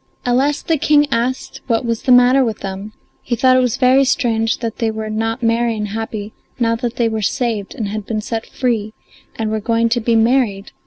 At last the King asked what was the matter with them; he thought it was very strange that they were not merry and happy now that they were saved and had been set free and were going to be married.